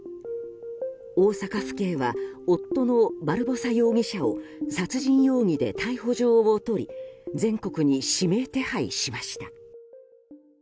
大阪府警は夫のバルボサ容疑者を殺人容疑で逮捕状を取り全国に指名手配しました。